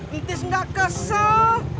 intis gak kesel